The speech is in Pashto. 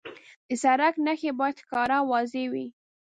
د سړک نښې باید ښکاره او واضح وي.